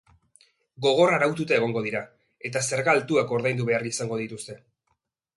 Gogor araututa egongo dira eta zerga altuak ordaindu behar izango dituzte.